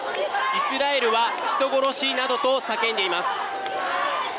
イスラエルは人殺しなどと叫んでいます。